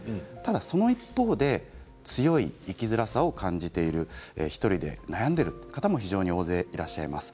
その一方で強い生きづらさを感じて１人で悩んでいる方も大勢いらっしゃいます。